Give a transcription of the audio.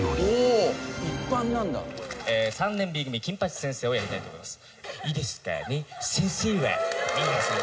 「『３年Ｂ組金八先生』をやりたいと思います」